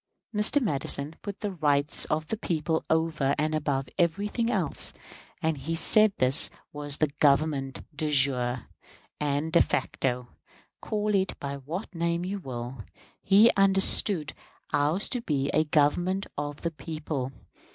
Mr. Madison put the rights of the people over and above everything else, and he said this was the Government de jure and de facto. Call it by what name you will, he understood ours to be a Government of the people.